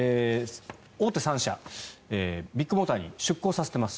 大手３社、ビッグモーターに出向させています。